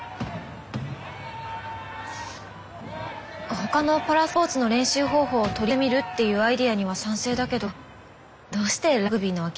他のパラスポーツの練習方法を取り入れてみるっていうアイデアには賛成だけどどうしてラグビーなわけ？